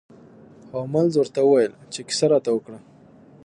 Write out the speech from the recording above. هولمز ورته وویل چې کیسه راته وکړه.